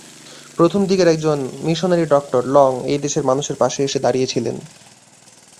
প্রথম দিকের একজন মিশনারী ডক্টর লঙ এই দেশের মানুষের পাশে এসে দাঁড়িয়েছিলেন।